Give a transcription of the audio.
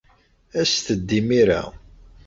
Aset-d imir-a.